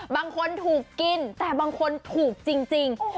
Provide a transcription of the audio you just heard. บางคนถูกกินแต่บางคนถูกจริง